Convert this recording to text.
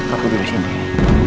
aku tidur sendiri